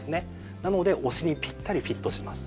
なのでお尻にピッタリフィットします。